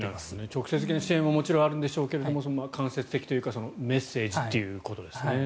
直接支援ももちろんあるんでしょうが間接的というかメッセージということですね。